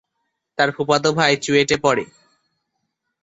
তার ফুফাতো ভাই চুয়েটে পড়ে।